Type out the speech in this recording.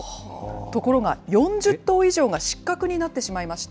ところが、４０頭以上が失格になってしまいました。